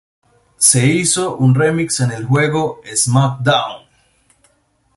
Se hizo un remix en el juego Smackdown!